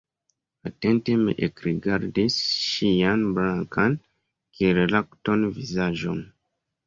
Atente mi ekrigardis ŝian blankan kiel lakton vizaĝon.